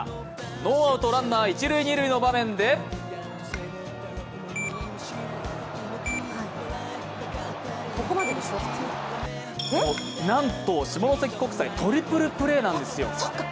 ノーアウト・ランナー一・二塁の場面でなんと、下関国際トリプルプレーなんですよ。